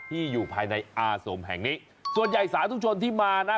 อยู่ภายในอาสมแห่งนี้ส่วนใหญ่สาธุชนที่มานะ